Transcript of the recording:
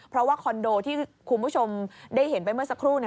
เพราะว่าคอนโดที่คุณผู้ชมได้เห็นไปเมื่อสักครู่